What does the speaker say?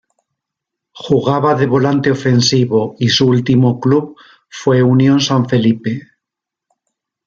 Jugaba de volante ofensivo y su último club fue Unión San Felipe.